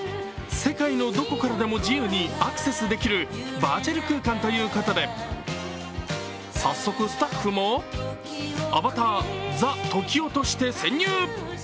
世界のどこからでも自由にアクセスできるバーチャル空間ということで、早速スタッフもアバター・ＴＨＥ時男として潜入。